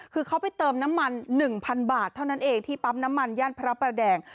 คือเขาไปเติมน้ำมัน๑๐๐บาทเท่านั้นเองที่ปั๊มน้ำมันย่านพระประแดง